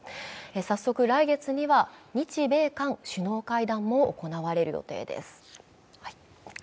早速来月には日米韓首脳会談も行われる予定です。